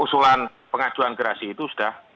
usulan pengajuan gerasi itu sudah